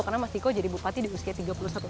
karena mas diko jadi bupati di usia tiga puluh satu tahun